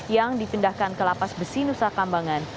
yang dipindahkan ke lapas besi nusa kambangan